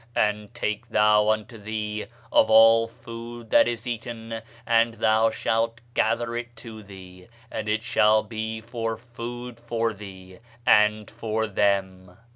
And take thou unto thee of all food that is eaten, and thou shalt gather it to thee; and it shall be for food for thee, and for them.